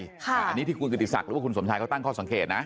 อันนี้ที่คุณกิติศักดิ์หรือว่าคุณสมชายเขาตั้งข้อสังเกตนะ